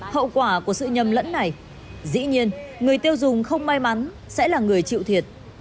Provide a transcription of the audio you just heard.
hậu quả của sự nhầm lẫn này dĩ nhiên người tiêu dùng không may mắn sẽ là người chịu thiệt